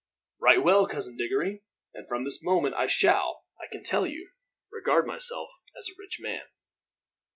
"Right well, Cousin Diggory; and from this moment I shall, I can tell you, regard myself as a rich man."